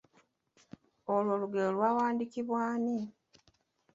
Olwo olugero lwawandiikibwa ani?